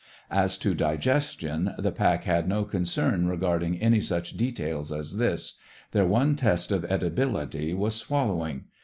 As to digestion, the pack had no concern regarding any such detail as this. Their one test of edibility was swallowing.